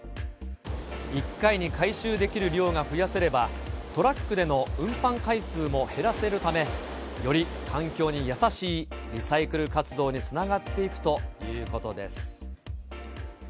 １回に回収できる量が増やせれば、トラックでの運搬回数も減らせるため、より環境に優しいリサイクル活動につながっていくということです。